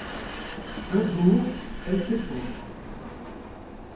Un jour, elle s'effondre.